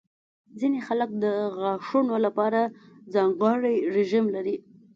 ځینې خلک د غاښونو لپاره ځانګړې رژیم لري.